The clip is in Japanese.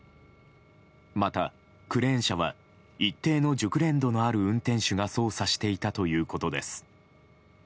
また、クレーン車は一定の熟練度のある運転手が操作していたということです。